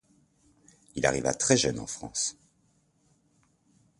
Il arriva très jeune en France.